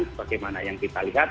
seperti mana yang kita lihat